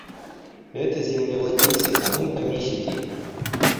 Это землевладельцы, а мы помещики.